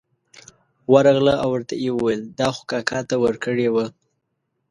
ورغله او ورته یې وویل دا خو کاکا ته ورکړې وه.